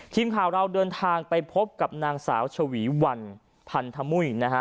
ทีมข่าวเราเดินทางไปพบกับนางสาวชวีวันพันธมุยนะฮะ